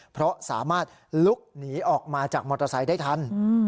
เพราะสามารถลุกหนีออกมาจากมอเตอร์ไซค์ได้ทัน